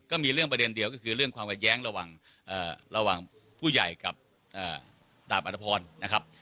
ก็มีเรื่องประเด็นเดียวก็คือเรื่องความขัดแย้งระหว่างผู้ใหญ่กับดาบอัตภพรนะครับ